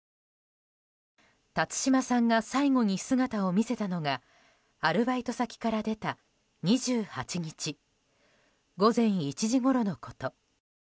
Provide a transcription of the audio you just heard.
辰島さんが最後に姿を見せたのがアルバイト先から出た２８日午前１時ごろのこと。